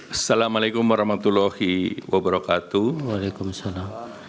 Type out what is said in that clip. assalamu alaikum warahmatullahi wabarakatuh